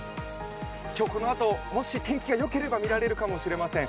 今日、このあと天気がよければ見られるかもしれません。